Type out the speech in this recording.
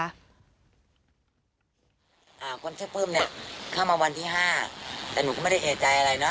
อ่าคนชื่อปลื้มเนี้ยเข้ามาวันที่ห้าแต่หนูก็ไม่ได้เอกใจอะไรเนอ